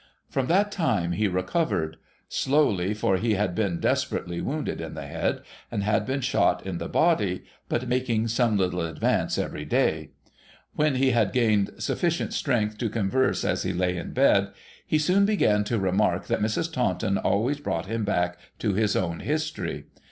From that time, he recovered. Slowly, for he had been despe rately wounded in the head, and had been shot in the body, but making some little advance every day. When he had gained sufficient strength to converse as he lay in bed, he soon began to remark that Mrs. Taunton always brought him back to his own history.